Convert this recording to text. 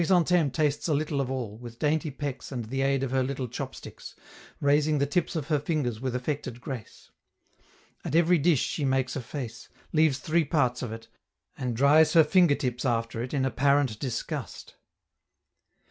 Chrysantheme tastes a little of all, with dainty pecks and the aid of her little chopsticks, raising the tips of her fingers with affected grace. At every dish she makes a face, leaves three parts of it, and dries her finger tips after it in apparent disgust.